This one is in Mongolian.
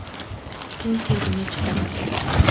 Тэнд тэр гуниглаж байгаа болов уу?